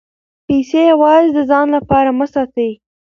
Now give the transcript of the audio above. پیسې یوازې د ځان لپاره مه ساتئ.